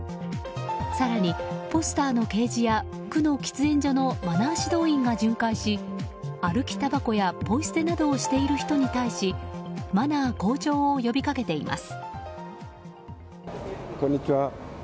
更にポスターの掲示や区の喫煙所のマナー指導員が巡回し歩きたばこやポイ捨てなどをしている人に対しマナー向上を呼びかけています。